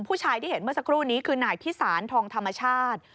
ผู้ชายที่เห็นเมื่อสักครู่นี้คือนายพิสารทองธรรมชาติ